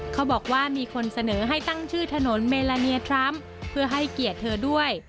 เขาบอกว่ามีคนเสนอให้ตั้งชื่อถนนเมลาเนียทรัมป์เพื่อให้เกียรติเธอด้วย